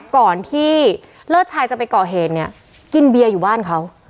ก่อนที่เลิศชายจะไปก่อเหตุเนี่ยกินเบียร์อยู่บ้านเขา